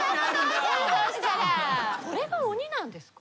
これが鬼なんですか？